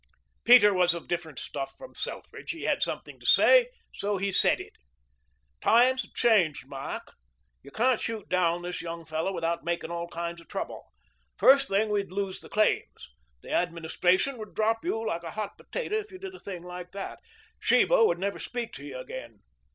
Peter was of different stuff from Selfridge. He had something to say. So he said it. "Times have changed, Mac. You can't shoot down this young fellow without making all kinds of trouble. First thing we'd lose the claims. The Administration would drop you like a hot potato if you did a thing like that. Sheba would never speak to you again.